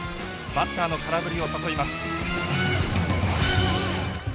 バッターの空振りを誘います。